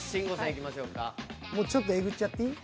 ちょっとえぐっちゃっていい？